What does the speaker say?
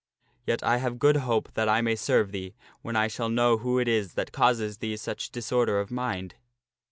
Yet I have good hope that I may serve thee when I shall know what it is that causes thee such disorder of mind."